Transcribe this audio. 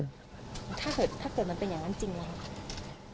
ถ้าเกิดมันเป็นอย่างนั้นจริงไหม